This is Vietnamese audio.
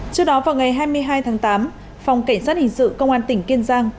trước đó vào ngày hai mươi hai tháng tám phòng cảnh sát hình sự công an tỉnh kiên giang